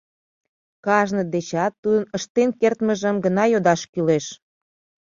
— Кажне дечат тудын ыштен кертмыжым гына йодаш кӱлеш.